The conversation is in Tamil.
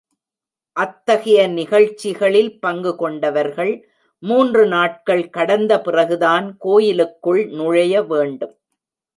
அத்தகைய நிகழ்ச்சிகளில் பங்கு கொண்டவர்கள், மூன்று நாட்கள் கடந்த பிறகுதான் கோயிலுக்குள் நுழைய வேண்டும்.